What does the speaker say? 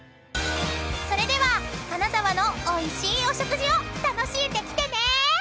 ［それでは金沢のおいしいお食事を楽しんできてね］